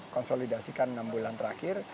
konsolidasikan enam bulan terakhir